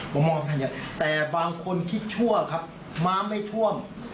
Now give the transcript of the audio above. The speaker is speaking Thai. ผมมองข้างในอย่างนั้นแต่บางคนคิดชั่วครับม้ามไม่ท่วม